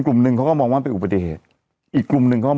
กลุ่มหนึ่งเขาก็มองว่าเป็นอุบัติเหตุอีกกลุ่มหนึ่งเขา